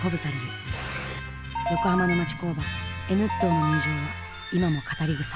横浜の町工場Ｎットーの入場は今も語りぐさ。